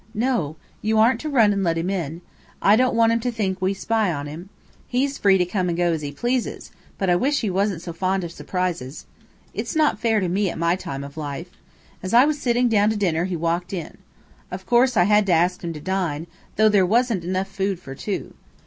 "No! You aren't to run and let him in. I don't want him to think we spy on him. He's free to come and go as he pleases, but I wish he wasn't so fond of surprises. It's not fair to me, at my time of life. As I was sitting down to dinner he walked in. Of course I had to ask him to dine, though there wasn't enough food for two.